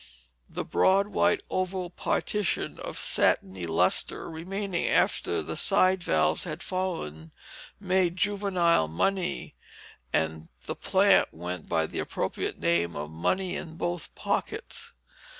The broad white oval partition, of satiny lustre, remaining after the side valves had fallen, made juvenile money, and the plant went by the appropriate name of money in both pockets.